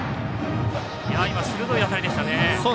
鋭い当たりでしたね。